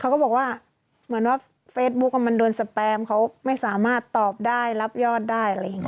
เขาก็บอกว่าเหมือนว่าเฟซบุ๊กมันโดนสแปมเขาไม่สามารถตอบได้รับยอดได้อะไรอย่างนี้